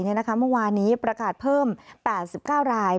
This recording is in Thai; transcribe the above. เมื่อวานนี้ประกาศเพิ่ม๘๙ราย